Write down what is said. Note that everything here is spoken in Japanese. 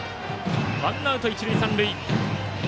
ワンアウト、一塁三塁。